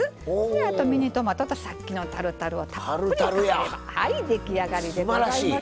あとミニトマトとさっきのタルタルをたっぷりかければはい出来上がりでございます。